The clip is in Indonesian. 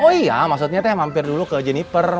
oh iya maksudnya teh mampir dulu ke jenniper